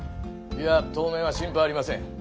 いや当面は心配ありません。